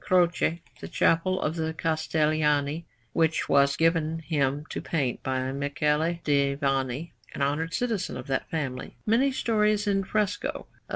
Croce, in the Chapel of the Castellani (which was given him to paint by Michele di Vanni, an honoured citizen of that family), many stories in fresco of S.